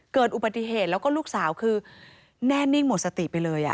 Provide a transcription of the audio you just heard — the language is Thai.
เกิดอุบัติเหตุแล้วก็ลูกสาวคือแน่นิ่งหมดสติไปเลย